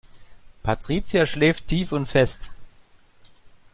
Patricia schläft tief und fest.